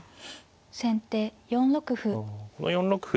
先手４六歩。